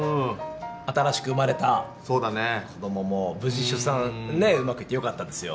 新しく生まれた子供も無事出産うまくいってよかったですよ。